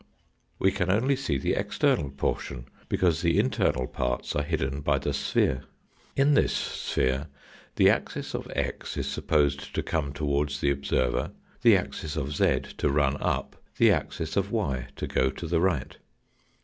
We can only see the external por tion, because the internal parts are hidden by the sphere. In this sphere the axis of x is supposed to come towards the observer, the Fig. 44. Axis ofx running the observer. axis of z to run up, the axis of y to go to the right.